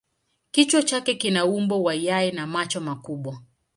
Kichwa chake kina umbo wa yai na macho makubwa.